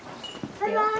バイバイ。